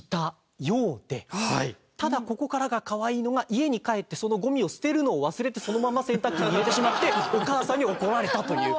ただここからがかわいいのが家に帰ってそのゴミを捨てるのを忘れてそのまま洗濯機に入れてしまってお母さんに怒られたという。